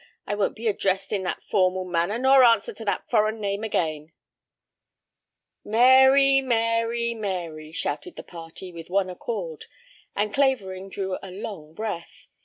I won't be addressed in that formal manner nor answer to that foreign name again." "Mary! Mary! Mary!" shouted the party with one accord, and Clavering drew a long breath.